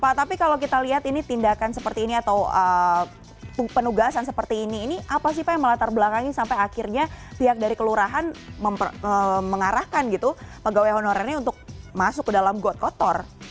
pak tapi kalau kita lihat ini tindakan seperti ini atau penugasan seperti ini ini apa sih pak yang melatar belakangi sampai akhirnya pihak dari kelurahan mengarahkan gitu pegawai honorernya untuk masuk ke dalam got kotor